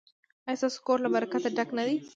ایا ستاسو کور له برکت ډک نه دی؟